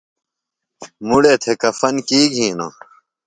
مڑے تھےۡ کفن کی گھینوۡ؟